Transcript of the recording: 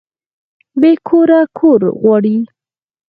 بې کوره کور غواړي